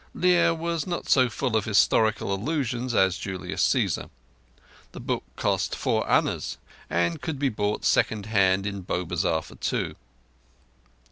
Lear was not so full of historical allusions as Julius Cæsar; the book cost four annas, but could be bought second hand in Bow Bazar for two.